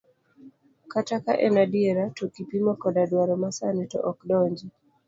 Kata ka en adiera, to kipimo koda dwaro masani, to ok donji.